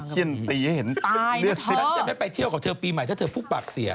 ฉันจะไม่ไปเที่ยวกับเธอปีใหม่ถ้าเธอพุกปากเสีย